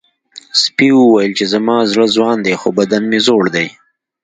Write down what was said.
سپي وویل چې زما زړه ځوان دی خو بدن مې زوړ دی.